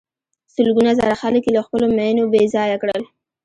سلګونه زره خلک یې له خپلو مېنو بې ځایه کړل.